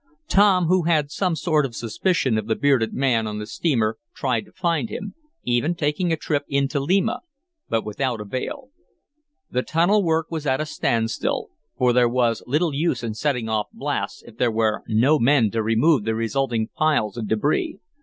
Tom, who had some sort of suspicion of the bearded man on the steamer, tried to find him, even taking a trip in to Lima, but without avail. The tunnel work was at a standstill, for there was little use in setting off blasts if there were no men to remove the resulting piles of debris.